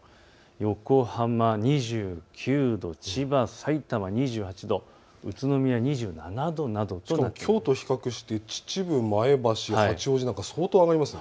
横浜２９度、千葉、さいたま２８度、宇都宮２７度などきょうと比較して秩父、前橋、八王子なんか相当上がりますね。